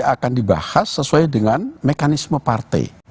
akan dibahas sesuai dengan mekanisme partai